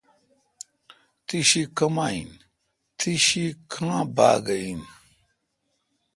تی شی کما این؟ تی شی کا ں باگہ این۔